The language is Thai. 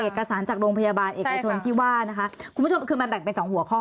เอกสารจากโรงพยาบาลเอกชนที่ว่าคุณผู้ชมคือมันแบ่งไป๒หัวข้อ